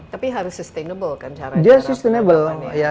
tapi harus sustainable kan cara menjaga perubahan itu